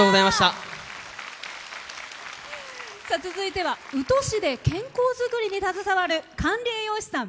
続いては宇土市で健康づくりに携わる管理栄養士さん。